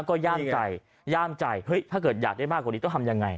ก็ย่ามใจย่ามใจเฮ้ยถ้าเกิดอยากได้มากกว่านี้ต้องทำยังไง